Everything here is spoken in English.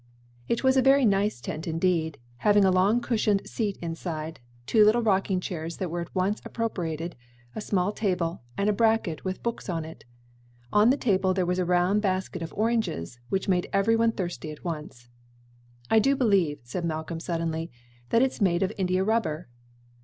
It was a very nice tent indeed, having a long cushioned seat inside, two little rocking chairs that were at once appropriated, a small table, and a bracket with books on it. On the table there was a round basket of oranges, which made every one thirsty at once. "I do believe," said Malcolm, suddenly, "that it's made of India rubber."